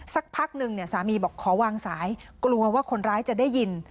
สักพักนึงเนี่ยสามีบอกขอวางสายกลัวว่าคนร้ายจะได้ยิน